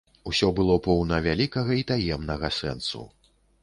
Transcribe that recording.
Усё было поўна вялікага і таемнага сэнсу.